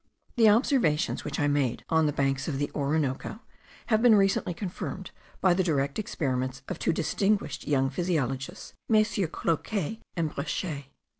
The observations which I made on the banks of the Orinoco, have been recently confirmed by the direct experiments of two distinguished young physiologists, MM. Cloquet and Breschet.